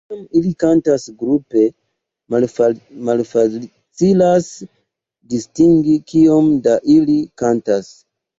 Kiam ili kantas grupe, malfacilas distingi kiom da ili kantas.